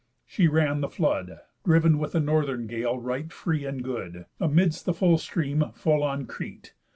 She ran the flood (Driven with a northern gale, right free, and good) Amids the full stream, full on Crete.